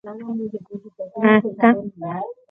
Akã